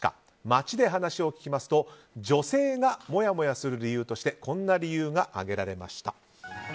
街で話を聞きますと女性がもやもやする理由としてこんな理由が挙げられました。